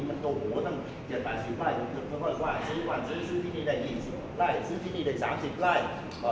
เอาตรงนี้เพื่อให้เลยล่ะ